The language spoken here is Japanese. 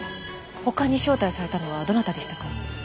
他に招待されたのはどなたでしたか？